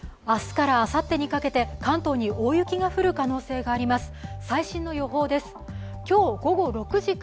明日からあさってにかけて関東に大雪が降る可能性があります。